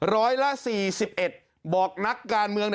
ร้อยละ๔๑บอกนักการเมือง